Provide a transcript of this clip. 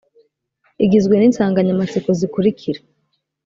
igizwe n insanganyamatsiko zikurikira